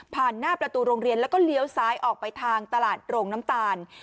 หน้าประตูโรงเรียนแล้วก็เลี้ยวซ้ายออกไปทางตลาดโรงน้ำตาล